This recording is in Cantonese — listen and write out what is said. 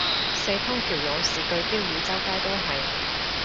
四通橋勇士句標語周街都係